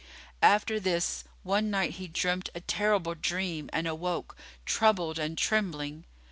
After this, one night he dreamt a terrible dream and awoke, troubled and trembling.